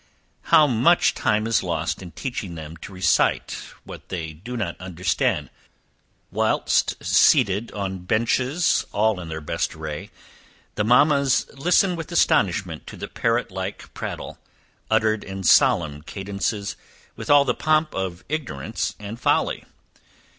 How much time is lost in teaching them to recite what they do not understand! whilst, seated on benches, all in their best array, the mammas listen with astonishment to the parrot like prattle, uttered in solemn cadences, with all the pomp of ignorance and folly.